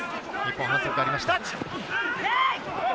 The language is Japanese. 日本の反則がありました。